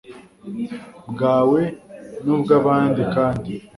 bwawe n ubw abandi kandi